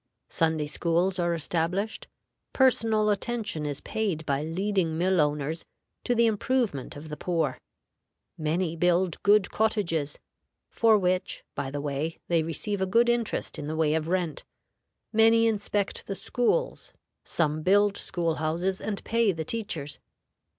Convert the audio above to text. Sunday schools are established; personal attention is paid by leading mill owners to the improvement of the poor; many build good cottages (for which, by the way, they receive a good interest in the way of rent); many inspect the schools; some build school houses and pay the teachers.